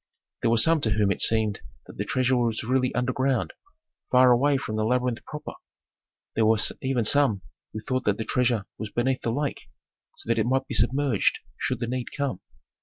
There were some to whom it seemed that the treasure was really underground, far away from the labyrinth proper. There were even some who thought that the treasure was beneath the lake, so that it might be submerged should the need come.